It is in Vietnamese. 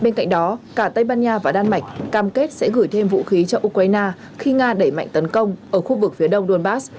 bên cạnh đó cả tây ban nha và đan mạch cam kết sẽ gửi thêm vũ khí cho ukraine khi nga đẩy mạnh tấn công ở khu vực phía đông donbass